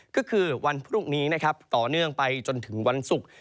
ก็คือวันพรุ่งนี้นะครับต่อเนื่องไปจนถึงวันศุกร์